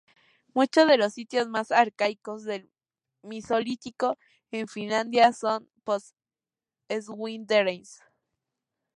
Muchos de los sitios más arcaicos del Mesolítico en Finlandia son post-Swideriense.